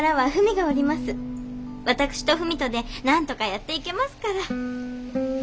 私とふみとでなんとかやっていけますから。